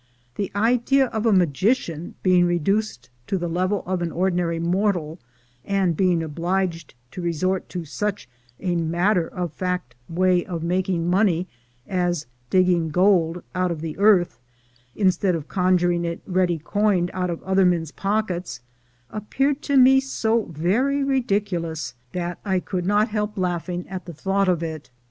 The idea of a magician being reduced to the level of an ordinary mortal, and being obliged to resort to such a matter of fact way of making money as digging gold out of the earth, instead of conjuring it ready coined out of other men's pockets, appeared to me so very ridiculous that I could not help laughing at 322 THE GOLD HUNTERS the thought of it.